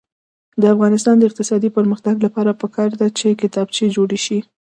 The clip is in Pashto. د افغانستان د اقتصادي پرمختګ لپاره پکار ده چې کتابچې جوړې شي.